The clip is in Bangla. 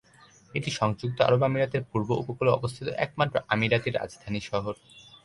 এটি সংযুক্ত আরব আমিরাতের পূর্ব উপকূলে অবস্থিত একমাত্র আমিরাতি রাজধানী শহর।